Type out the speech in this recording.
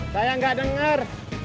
saya gak denger